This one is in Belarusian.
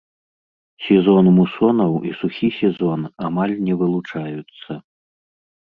Сезон мусонаў і сухі сезон амаль не вылучаюцца.